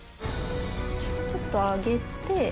ちょっと上げて。